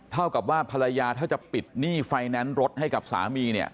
เท่ากับว่าภรรยาถ้าจะปิดหนี้ไฟแนนซ์รถให้กับสามีเนี่ย